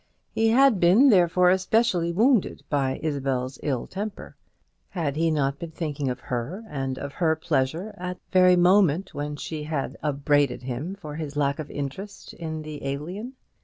He had been, therefore, especially wounded by Isabel's ill temper. Had he not been thinking of her and of her pleasure at the very moment when she had upbraided him for his lack of interest in the Alien?